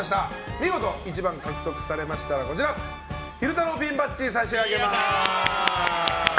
見事１番を獲得されましたら昼太郎ピンバッジを差し上げます。